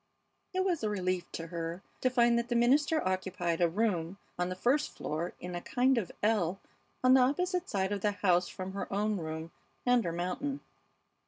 It was a relief to her to find that the minister occupied a room on the first floor in a kind of ell on the opposite side of the house from her own room and her mountain.